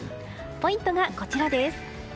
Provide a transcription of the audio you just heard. ポイントがこちらです。